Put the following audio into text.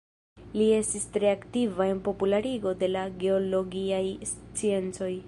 Li estis tre aktiva en popularigo de la geologiaj sciencoj.